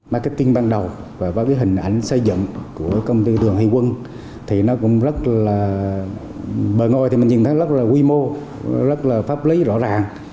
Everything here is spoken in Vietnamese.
marketing ban đầu và hình ảnh xây dựng của công ty tường hy quân thì nó cũng rất là bờ ngôi thì mình nhìn thấy rất là quy mô rất là pháp lý rõ ràng